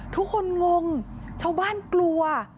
ทุกคนงงชาวบ้านกลัว